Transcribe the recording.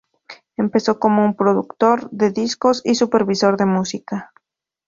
Empezó como un productor de discos y supervisor de música.